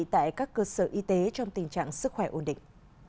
tại các cơ sở y tế trong tình trạng sức khỏe ổn định